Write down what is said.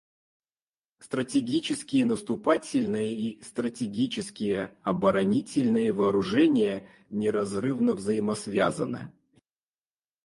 Стратегические наступательные и стратегические оборонительные вооружения неразрывно взаимосвязаны.